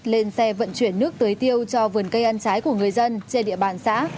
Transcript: lên xe vận chuyển nước tưới tiêu cho vườn cây ăn trái của người dân trên địa bàn xã